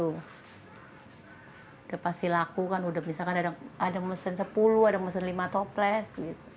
udah pasti laku kan udah misalkan ada mesin sepuluh ada mesin lima toples